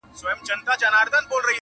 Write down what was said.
په خپل کور کي چي ورلوېږي زیندۍ ورو ورو!.